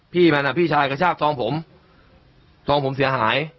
พี่มันอ่ะพี่ชายกระชากซองผมซองผมเสียหาย